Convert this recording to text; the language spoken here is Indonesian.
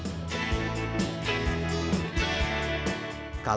dan juga kekayaan kekayaan dan kekayaan kekayaan